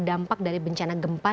dampak dari bencana gempa